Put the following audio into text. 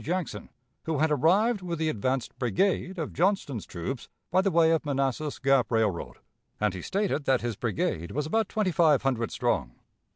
Jackson, who had arrived with the advanced brigade of Johnston's troops by the way of Manassas Gap Railroad, and he stated that his brigade was about twenty five hundred strong.